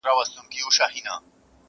خو زړې نښې لا شته تل.